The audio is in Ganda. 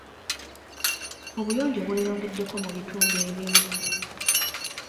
Obuyonjo bweyongeddeko mu bitundu ebimu.